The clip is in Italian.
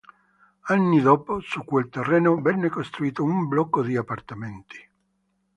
Anni dopo su quel terreno venne costruito un blocco di appartamenti.